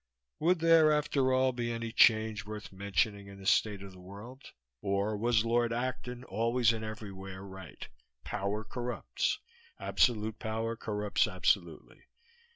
Would there, after all, be any change worth mentioning in the state of the world? Or was Lord Acton, always and everywhere, right? Power corrupts. Absolute power corrupts absolutely.